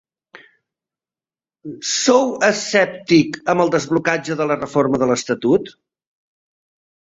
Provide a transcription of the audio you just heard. Sou escèptic amb el desblocatge de la reforma de l’estatut?